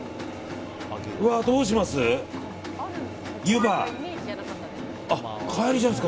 うわー、どうします？